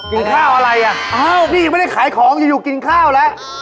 ว่าเที่ยงกินข้าวอะไรน่ะนี่ไม่ได้ขายของจะอยู่กินข้าวแล้ว